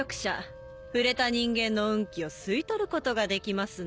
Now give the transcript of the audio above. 触れた人間の運気を吸い取ることができますの。